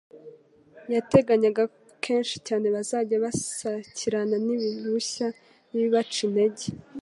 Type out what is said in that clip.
Yateganyaga ko kenshi cyane bazajya basakirana n'ibirushya n'ibibaca intege,